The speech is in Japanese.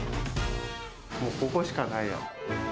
もうここしかない。